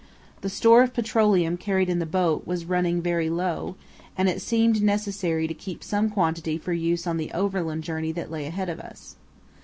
The store of petroleum carried in the boat was running very low, and it seemed necessary to keep some quantity for use on the overland journey that lay ahead of us.